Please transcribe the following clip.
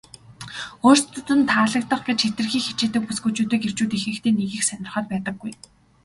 өөрсдөд нь таалагдах гэж хэтэрхий хичээдэг бүсгүйчүүдийг эрчүүд ихэнхдээ нэг их сонирхоод байдаггүй.